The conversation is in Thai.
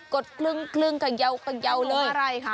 กดคลึ่งกลึ่งคลึงเยาะเลย